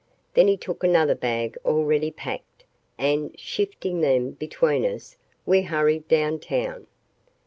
Then he took another bag already packed and, shifting them between us, we hurried down town.